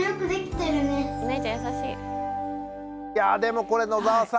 いやあでもこれ野澤さん